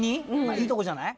いいとこじゃない。